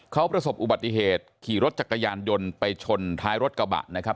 เขาประสบอุบัติเหตุขี่รถจักรยานยนต์ไปชนท้ายรถกระบะนะครับ